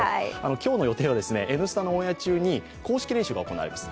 今日の予定は「Ｎスタ」のオンエア中に公式練習が行われます。